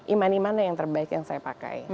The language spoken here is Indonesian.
iman iman yang terbaik yang saya pakai